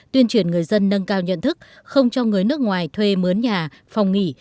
tuyên truyền người dân nâng cao nhận thức không cho người nước ngoài thuê mướn nhà phòng nghỉ